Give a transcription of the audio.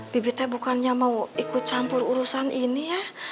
bibitnya bukannya mau ikut campur urusan ini ya